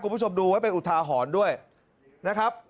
คุณผู้ชมดูไว้เป็นอุทาหรณ์ด้วยนะครับ